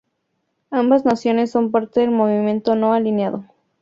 Ambas naciones son parte del Movimiento No Alineado.